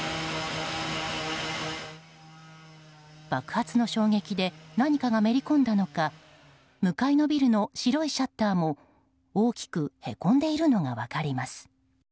爆発の衝撃で何かがめり込んだのか向かいのビルの白いシャッターも大きくへこんでいるのが分かります。